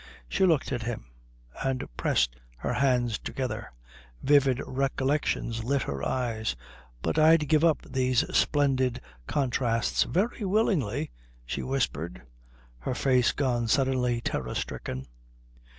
She looked at him and pressed her hands together. Vivid recollections lit her eyes. "But I'd give up these splendid contrasts very willingly," she whispered, her face gone suddenly terror stricken.